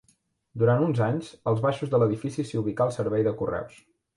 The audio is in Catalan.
Durant uns anys, als baixos de l'edifici s'hi ubicà el servei de correus.